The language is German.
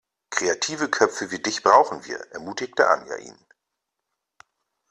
Kreative Köpfe wie dich brauchen wir, ermutigte Anja ihn.